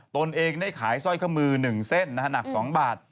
ตนเองได้ขายสร้อยข้อมือ๑เส้นหนัก๒บาท